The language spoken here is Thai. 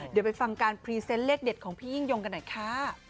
เดี๋ยวไปฟังการพรีเซนต์เลขเด็ดของพี่ยิ่งยงกันหน่อยค่ะ